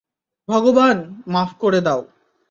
ভগবান, মাফ করে দাও।